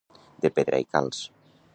De pedra i calç.